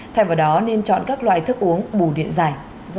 thay vào đó nên chọn các loại thức uống bù điện dài